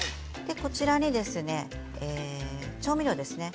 こちらに調味料ですね。